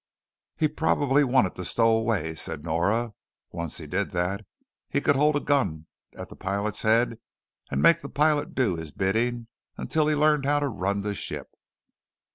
"He probably wanted to stow away," said Nora. "Once he did that, he could hold a gun at the pilot's head and make the pilot do his bidding until he learned how to run the ship."